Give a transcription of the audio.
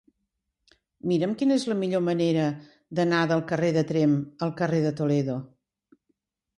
Mira'm quina és la millor manera d'anar del carrer de Tremp al carrer de Toledo.